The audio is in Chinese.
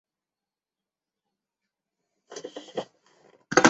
金钦格是德国巴伐利亚州的一个市镇。